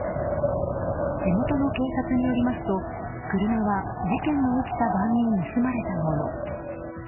地元の警察によりますと車は、事件が起きた晩に盗まれたもの。